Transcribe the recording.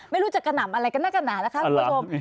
ไม่รู้จะกระหน่ำอะไรกันหน้ากระหนานะคะคุณผู้ชม